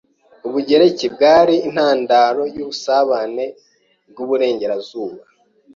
Ubugereki bwari intandaro yubusabane bwiburengerazuba.